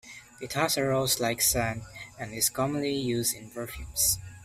It has a rose-like scent and is commonly used in perfumes.